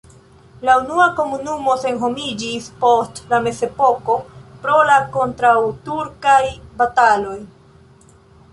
La unua komunumo senhomiĝis post la mezepoko pro la kontraŭturkaj bataloj.